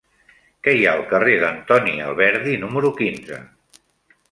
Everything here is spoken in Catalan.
Què hi ha al carrer d'Antoni Alberdi número quinze?